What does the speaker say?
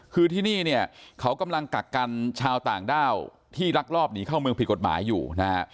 คือที่นี่เนี่ยเขากำลังกักกันชาวต่างด้าวที่ลักลอบหนีเข้าเมืองผิดกฎหมายอยู่นะฮะ